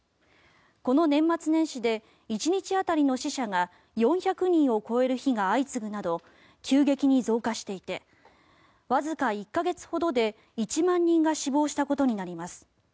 この年末年始で１日当たりの死者が４００人を超える日が相次ぐなど急激に増加していてわずか１か月ほどで１万人が死亡したことになります。